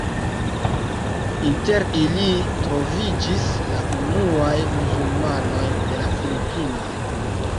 Inter ili troviĝis la unuaj muzulmanoj de la Filipinoj.